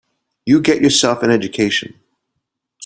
You get yourself an education.